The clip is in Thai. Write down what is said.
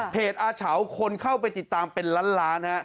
อาเฉาคนเข้าไปติดตามเป็นล้านล้านฮะ